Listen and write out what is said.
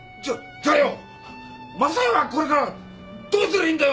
じゃあよ昌代はこれからどうすりゃいいんだよ！？